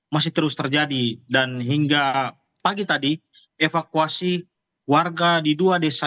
masih terus terjadi dan hingga pagi tadi evakuasi warga di dua desa